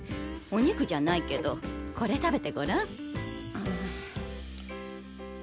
お肉じゃないけどこれ食べてごらん。